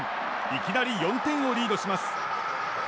いきなり４点をリードします。